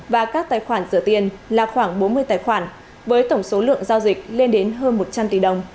và các tài khoản rửa tiền là khoảng bốn mươi tài khoản với tổng số lượng giao dịch lên đến hơn một trăm linh tỷ đồng